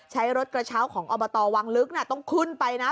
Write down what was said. ใช้รถกระเช้าของอบตวังลึกต้องขึ้นไปนะ